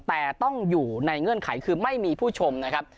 แต่ต้องอยู่ในเงื่อนไขคือไม่มีผู้ชมนะครับ